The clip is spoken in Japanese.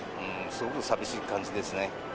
すごく寂しい感じですね。